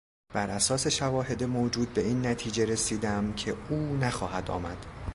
براساس شواهد موجود به این نتیجه رسیدم که او نخواهد آمد.